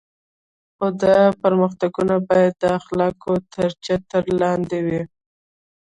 خو دا پرمختګونه باید د اخلاقو تر چتر لاندې وي.